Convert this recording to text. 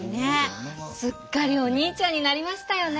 すっかりおにいちゃんになりましたよね。